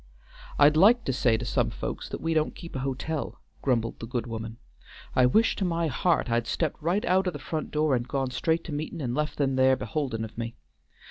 "I'd like to say to some folks that we don't keep hotel," grumbled the good woman, "I wish to my heart I'd stepped right out o' the front door and gone straight to meetin' and left them there beholdin' of me.